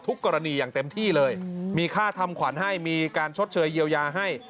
กรณีอย่างเต็มที่เลยมีค่าทำขวัญให้มีการชดเชยเยียวยาให้